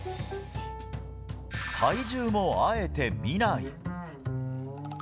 体重もあえて見ない。